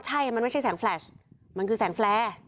ใช่มันไม่ใช่แสงแฟลชมันคือแสงแฟร์